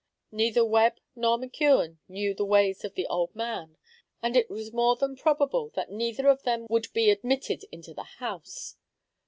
Neither Webb nor McKeon knew the ways of the old man, and it was more than probable that neither of them would be admitted into the house.